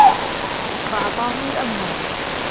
فَأَعْطَاهُمْ الْأَمْوَالَ